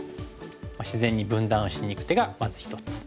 自然に分断しにいく手がまず一つ。